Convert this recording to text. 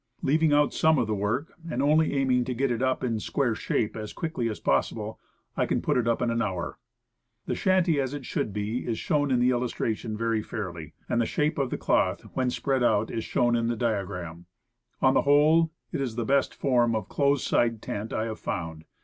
Leaving out some of the work, and only aiming to get it up in square shape as quickly as possible, I can put it up in an hour. The shanty SHANTY TENT AND CAMP FIRE. as it should be, is shown in the illustration very fairly. And the shape of the cloth when spread out, is shown in the diagram on page 37. On the whole, it is the best form of close sided tent I have found.